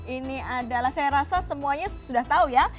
ini adalah saya rasa semuanya sudah tahu ya